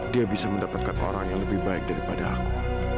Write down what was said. dia bisa mendapatkan orang yang lebih baik daripada aku